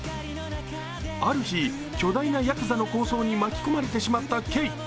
ある日、巨大なヤクザの抗争に巻き込まれてしまったケイ。